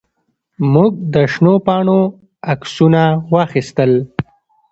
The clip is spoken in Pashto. موږ د شنو پاڼو عکسونه واخیستل.